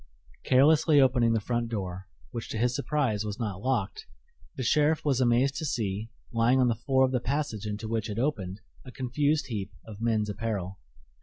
Carelessly opening the front door, which to his surprise was not locked, the sheriff was amazed to see, lying on the floor of the passage into which it opened, a confused heap of men's apparel.